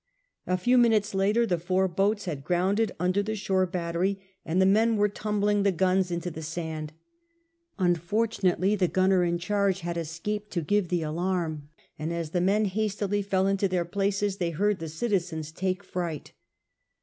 A few minutes later the four boats had grounded under the shore battery, and the men were 26 SIR FRANCIS DRAKE chap. tumbling tho guns into the sand. Unfortunately the gunner in charge had escaped to give the alarm, and as the men hastily fell into their places, they heard the citizens take fright.